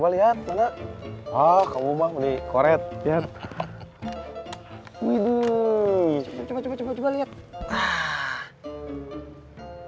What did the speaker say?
lihat mana ah kamu mau di korek lihat widi coba coba lihat ah